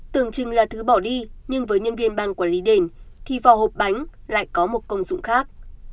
tưởng chừng là thứ bỏ đi nhưng với nhân viên ban quản lý đền thì vỏ hộp bánh lại có một công dụng khác